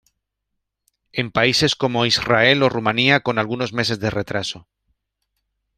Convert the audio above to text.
En países como Israel o Rumania con algunos meses de retraso.